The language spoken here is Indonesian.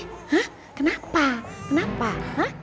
hah kenapa kenapa hah